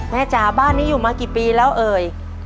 จ๋าบ้านนี้อยู่มากี่ปีแล้วเอ่ย